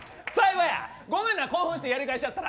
ごめんな、興奮してやり返しちゃったわ。